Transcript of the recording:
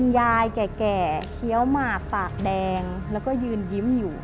ยายแก่เคี้ยวหมากปากแดงแล้วก็ยืนยิ้มอยู่